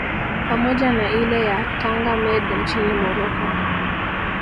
pamoja na ile ya Tanger Med nchini Morocco